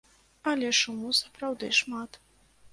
Але шуму сапраўды шмат.